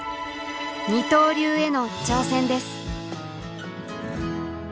「二刀流」への挑戦です。